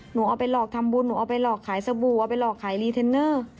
หนูเอาไปหลอกทำบุญหนูเอาไปหลอกขายสบู่เอาไปหลอกขายรีเทนเนอร์